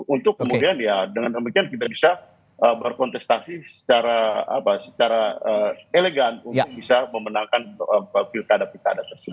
untuk kemudian ya dengan demikian kita bisa berkontestasi secara elegan untuk bisa memenangkan pilkada pilkada tersebut